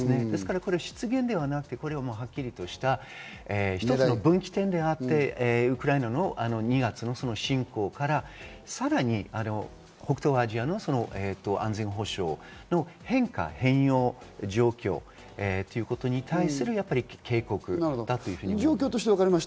失言ではなくて、これははっきりとした一つの分岐点であってウクライナの２月の侵攻からさらに北東アジアの安全保障の変化、変容状況ということに対する警告だというふうに思います。